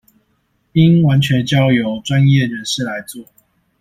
應完全交由專業人士來做